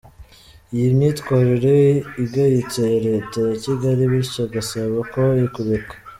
iyi myitwarire igayitse ya leta ya Kigali, bityo agasaba ko kureka